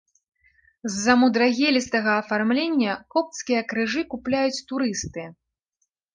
З-за мудрагелістага афармлення копцкія крыжы купляюць турысты.